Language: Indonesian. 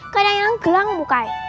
kadang kadang gelang bukanya